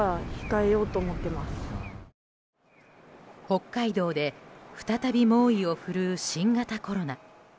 北海道で再び猛威を振るう新型コロナ。